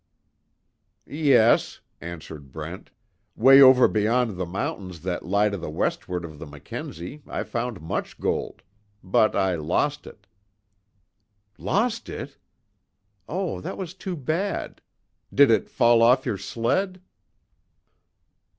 "Yes," answered Brent, "Way over beyond the mountains that lie to the westward of the Mackenzie, I found much gold. But I lost it." "Lost it! Oh, that was too bad. Did it fall off your sled?"